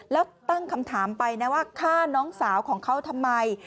แล้วตั้งคำถามไปนะว่าฆ่าน้องสาวของเขาทำไม